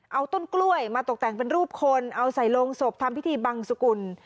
เอาต้นกล้วยมาตกแต่งเป็นรูปคนเอาใส่โรงศพทำพิธีบังสุกุล